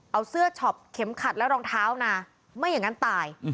เอาเสื้อช็อปเข็มขัดและรองเท้านะไม่อย่างนั้นตาย